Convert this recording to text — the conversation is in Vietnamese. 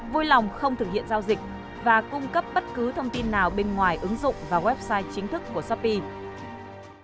vui lòng không thực hiện giao dịch và cung cấp bất cứ thông tin nào bên ngoài ứng dụng và website chính thức của shopee